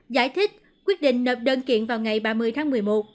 giải thích quyết định nợ đơn kiện vào ngày ba mươi tháng một mươi một